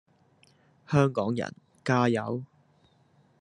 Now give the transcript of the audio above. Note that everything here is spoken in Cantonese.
香港人加油